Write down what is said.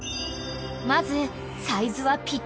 ［まず］